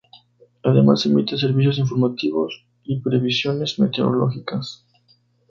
Además emite servicios informativos y previsiones meteorológicas.